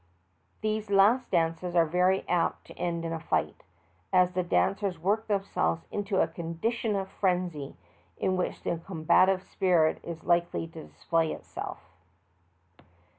These last dances are very apt to end in a fight, as the daneers work themselves into a condition of frenzy, in which the combative spirit is likely to display itself.